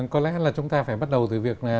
có lẽ là chúng ta phải bắt đầu từ việc